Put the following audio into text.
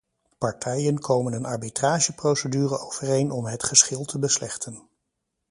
Partijen komen een arbitrageprocedure overeen om het geschil te beslechten.